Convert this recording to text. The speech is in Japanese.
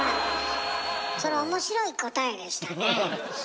それ面白い答えでしたね。